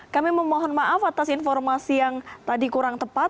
kami memohon maaf atas informasi yang tadi kurang tepat